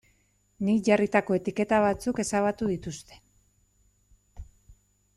Nik jarritako etiketa batzuk ezabatu dituzte.